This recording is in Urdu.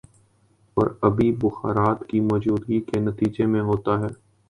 اور آبی بخارات کی موجودگی کے نتیجے میں ہوتا ہے